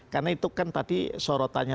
karena itu kan tadi sorotannya